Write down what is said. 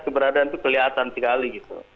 keberadaan itu kelihatan sekali